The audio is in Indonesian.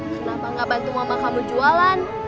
kenapa gak bantu mama kamu jualan